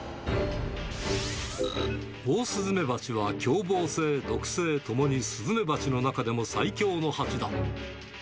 オオスズメバチは凶暴性、毒性ともにスズメバチの中でも最強のハチだ。